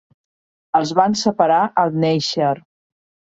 Els van separar al néixer.